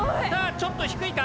ちょっと低いか？